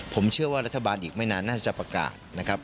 ผมเชื่อว่ารัฐบาลอีกไม่นานน่าจะประกาศนะครับ